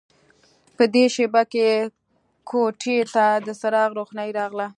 په دې شېبه کې کوټې ته د څراغ روښنايي راغله